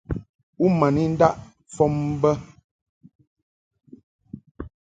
U ma ni ndaʼ fɔm bə.